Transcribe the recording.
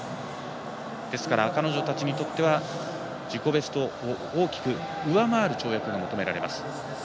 ですから彼女たちにとっては自己ベストを大きく上回る跳躍が求められます。